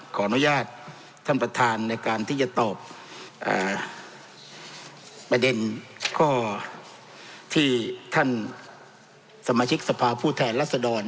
ขออนุญาตท่านประธานในการที่จะตอบประเด็นข้อที่ท่านสมาชิกสภาพผู้แทนรัศดร